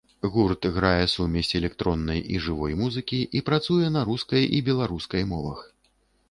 Гурт грае сумесь электроннай і жывой музыкі і працуе на рускай і беларускай мовах.